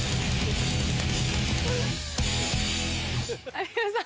有吉さん